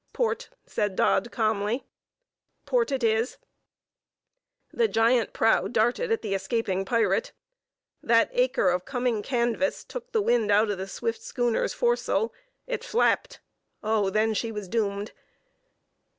"Port!" said Dodd, calmly. "Port it is." The giant prow darted at the escaping pirate. That acre of coming canvas took the wind out of the swift schooner's foresail; it flapped: oh, then she was doomed!...